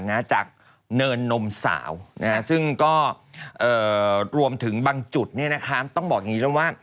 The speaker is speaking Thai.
เนินนมสาวซึ่งก็รวมถึงบางจุดเนี่ยนะคะต้องบอกอย่างนี้นะว่า